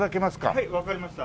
はいわかりました。